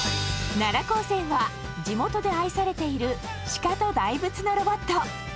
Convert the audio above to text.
地元で愛されている鹿と大仏のロボット。